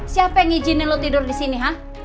siapa yang ngijinin lu tidur disini